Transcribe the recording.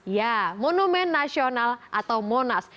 ya monumen nasional atau monas